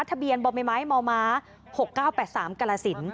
ทะเบียนบอมไม้ไม้มม๖๙๘๓กราศิลป์